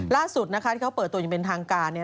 ล่าสุดนะคะที่เขาเปิดตัวอย่างเป็นทางการเนี่ย